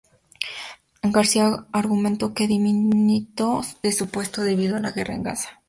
García argumentó que dimitió de su puesto debido a la Guerra en Gaza.